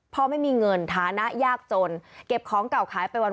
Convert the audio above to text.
ไม่มีเงินฐานะยากจนเก็บของเก่าขายไปวัน